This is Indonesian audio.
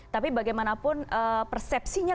tapi bagaimanapun persepsinya